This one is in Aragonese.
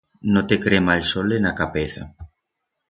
No te crema el sol en a capeza.